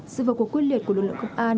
sự vật của quyết liệt của lực lượng công an